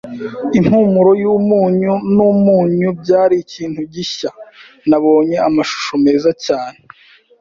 Impumuro yumunyu numunyu byari ikintu gishya. Nabonye amashusho meza cyane,